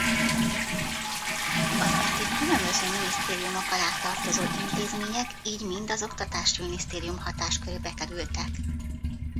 Az addig különböző minisztériumok alá tartozó intézmények így mind az Oktatási Minisztérium hatáskörébe kerültek.